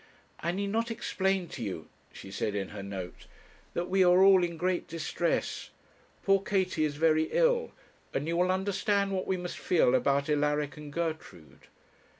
'I need not explain to you,' she said in her note, 'that we are all in great distress; poor Katie is very ill, and you will understand what we must feel about Alaric and Gertrude.